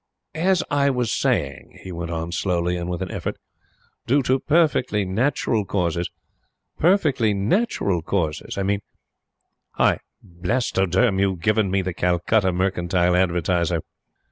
"As I was saying," he went on slowly and with an effort "due to perfectly natural causes perfectly natural causes. I mean " "Hi! Blastoderm, you've given me the Calcutta Mercantile Advertiser."